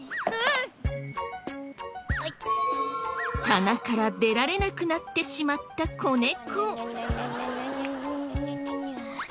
棚から出られなくなってしまった子猫。